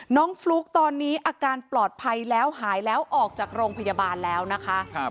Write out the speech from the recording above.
ฟลุ๊กตอนนี้อาการปลอดภัยแล้วหายแล้วออกจากโรงพยาบาลแล้วนะคะ